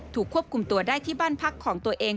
ควบคุมตัวได้ที่บ้านพักของตัวเอง